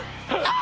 あ！